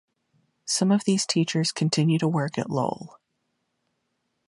Some of these teachers continue to work at Lowell.